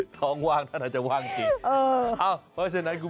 ท้องว่างแต่อาจจะว่างแบบนี้